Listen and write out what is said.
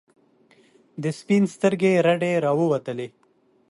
د سپین سترګي رډي راووتلې.